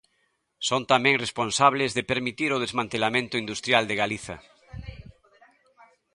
Son tamén responsables de permitir o desmantelamento industrial de Galiza.